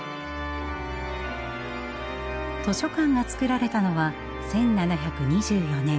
図書館が作られたのは１７２４年。